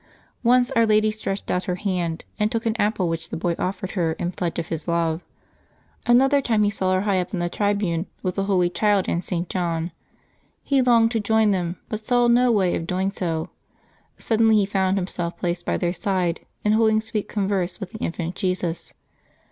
Once Our Lady stretched out her hand, and took an apple which the boy offered her in pledge of his love. Another time he saw her high up in the tribune, with the Holy Child and St. John; he longed to join them, but saw no way of doing so; suddenly he found himself placed by their side, and holding sweet converse with the Infant Jesus.